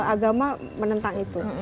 agama menentang itu